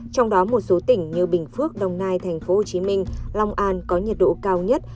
trong đó một số tỉnh như bình phước đồng nai tp hcm long an có nhiệt độ cao nhất